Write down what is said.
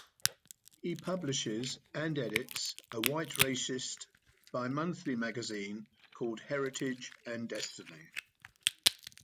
He publishes and edits a white racist bimonthly magazine called "Heritage and Destiny".